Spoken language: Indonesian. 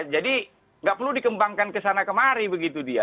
jadi tidak perlu dikembangkan ke sana kemari begitu